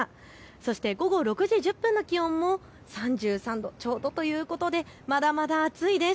そして午後６時１０分の気温も３３度ということでまだまだ暑いです。